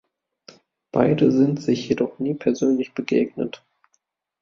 Beide sind sich jedoch nie persönlich begegnet.